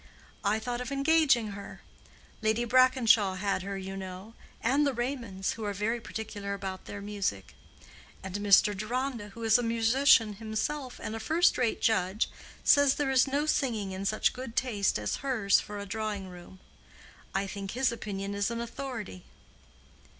I thought of engaging her. Lady Brackenshaw had her, you know: and the Raymonds, who are very particular about their music. And Mr. Deronda, who is a musician himself and a first rate judge, says there is no singing in such good taste as hers for a drawing room. I think his opinion is an authority."